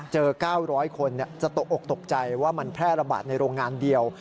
๙๐๐คนจะตกออกตกใจว่ามันแพร่ระบาดในโรงงานเดียว